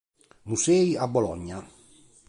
Musei a Bologna.